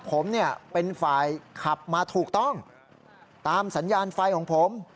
ผมเนี่ยเป็นฝ่ายขับมาถูกต้องตามสัญญาณไฟของผม